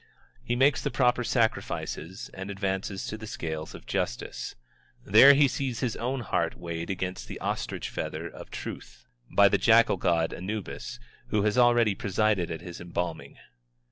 He makes the proper sacrifices, and advances to the scales of justice. There he sees his own heart weighed against the ostrich feather of Truth, by the jackal god Anubis, who has already presided at his embalming.